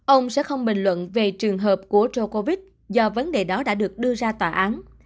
ông sẽ không bình luận về trường hợp của ro covid do vấn đề đó đã được đưa ra tòa án